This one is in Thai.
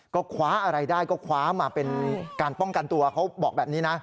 ก็คว้าอะไรได้ก็คว้ามาเป็นการป้องกันตัวเขาบอกแบบนี้นะ